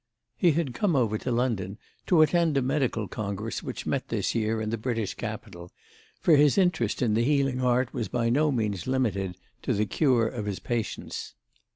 He had come over to London to attend a medical congress which met this year in the British capital, for his interest in the healing art was by no means limited to the cure of his patients.